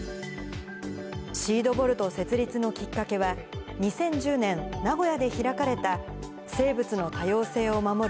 シードボルト設立のきっかけは、２０１０年、名古屋で開かれた生物の多様性を守る